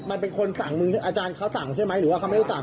มันเป็นคนสั่งอาจารย์เขาสั่งหรือไม่หรือเขาไม่สั่ง